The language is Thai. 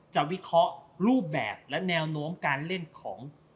วิเคราะห์รูปแบบและแนวโน้มการเล่นของ